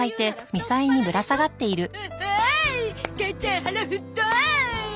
母ちゃん腹ふっとーい！